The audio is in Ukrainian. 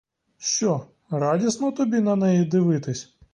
Що, радісно тобі на неї дивитись?